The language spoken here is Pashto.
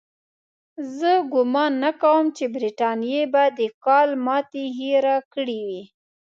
زه ګومان نه کوم چې برټانیې به د کال ماتې هېره کړې وي.